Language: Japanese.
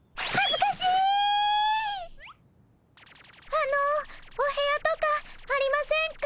あのお部屋とかありませんか？